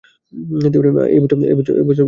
এই বছর ফসল ভালো হবে।